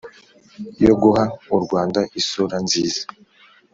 yo guha u rwanda isura nziza